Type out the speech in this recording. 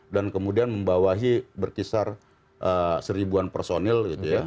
dan kemudian membawahi berkisar seribuan personil gitu ya